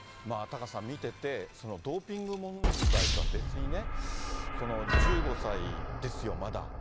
タカさん、見てて、そのドーピング問題とは別にね、１５歳ですよ、まだ。